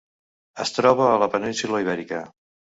Es troba a la península Ibèrica: